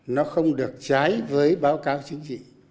nó không được trái với báo cáo chính trị